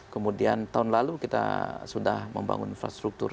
kemudian tahun lalu kita sudah membangun infrastruktur